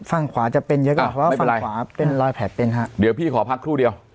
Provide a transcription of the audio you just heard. ฝั่งขวาจะเป็นเยอะกว่าเพราะว่าฝั่งขวาเป็นรอยแผลเป็นฮะเดี๋ยวพี่ขอพักครู่เดียว